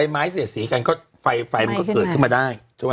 ไม่เสียสีกันก็ไฟมันก็เกิดขึ้นมาได้